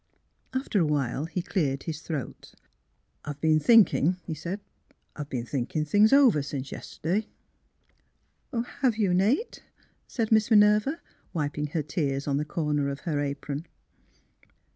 After a while he cleared his throat. " I've been thinkin','' he said, " I've been thinkin' things over, since yeste'day." 48 THE HEAET OF PHILURA '' Have yon, Nate 1 '' said Miss Minerva, wiping lier tears on the corner of her apron.